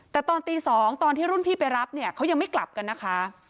แต่ตอนตี๒ตอนที่รุ่นพี่ไปรับเนี่ยเขายังไม่กลับกันนะคะ